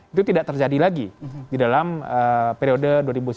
itu tidak terjadi lagi di dalam periode dua ribu sembilan belas dua ribu